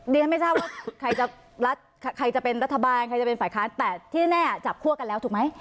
ฉันไม่ทราบว่าใครจะรัฐใครจะเป็นรัฐบาลใครจะเป็นฝ่ายค้านแต่ที่แน่จับคั่วกันแล้วถูกไหม